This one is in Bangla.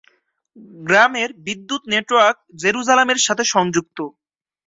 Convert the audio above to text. গ্রামের বিদ্যুৎ নেটওয়ার্ক জেরুজালেমের সাথে সংযুক্ত।